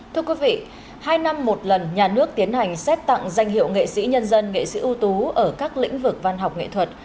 thưa quý vị hai năm một lần nhà nước tiến hành xét tặng danh hiệu nghệ sĩ nhân dân nghệ sĩ ưu tú ở các lĩnh vực văn học nghệ thuật